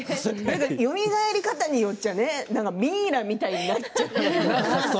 よみがえり方によってはミイラみたいになっちゃったりとか。